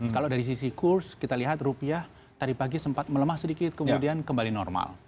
kalau dari sisi kurs kita lihat rupiah tadi pagi sempat melemah sedikit kemudian kembali normal